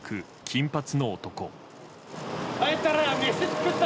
金髪の男。